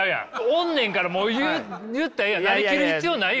おんねんからもう言ったらええやん成りきる必要ないよ。